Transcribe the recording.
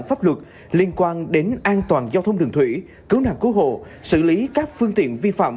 pháp luật liên quan đến an toàn giao thông đường thủy cứu nạn cứu hộ xử lý các phương tiện vi phạm